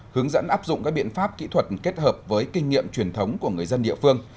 hướng dẫn áp dụng các biện pháp kỹ thuật kết hợp với kinh nghiệm truyền thống của người dân địa phương